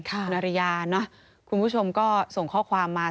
คุณอริยาคุณผู้ชมก็ส่งข้อความมา